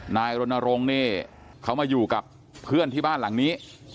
นายรณรงค์เนี่ยเขามาอยู่กับเพื่อนที่บ้านหลังนี้